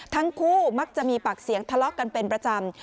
ทั้งคู่มักจะมีปากเสียงทะเลาะกันเป็นประจำ